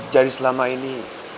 jadi selama ini